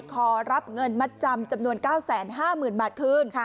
ขอรับเงินมัจจำจำนวน๙แสนห้าหมื่นบาทคืน